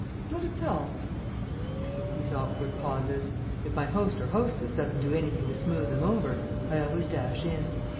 "Not at all." I hate these awkward pauses. If my host or hostess doesn't do anything to smooth them over, I always dash in.